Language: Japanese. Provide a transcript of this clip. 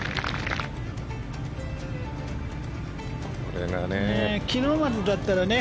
これがね。